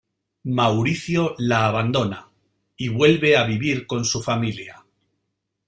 Mauricio la abandona y vuelve a vivir con su familia.